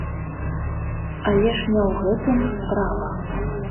Але ж не ў гэтым справа.